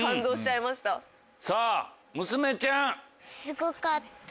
さぁ娘ちゃん。